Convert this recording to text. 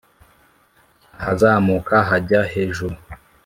Ahazamuka hajya hejuru.